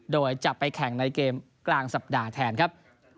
โดยจะไปแข่งในเกมกลางสัปดาห์แทนครับ